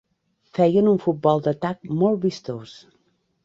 Feien un futbol d'atac molt vistós.